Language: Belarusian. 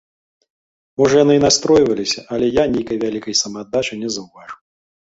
Можа, яны і настройваліся, але я нейкай вялікай самааддачы не заўважыў.